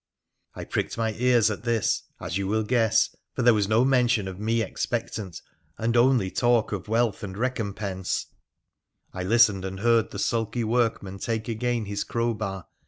I pricked my ears at this, as you will guess, for there was no mention of me expectant, and only talk of wealth and 238 WONDERFUL ADVENTURES OF recompense. I listened, and heard the sulky workman taka again his crowbar.